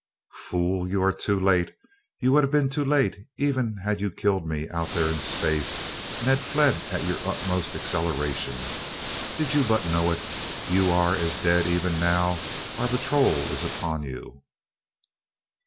"Fools, you are too late! You would have been too late, even had you killed me out there in space and had fled at your utmost acceleration. Did you but know it, you are as dead, even now our patrol is upon you!"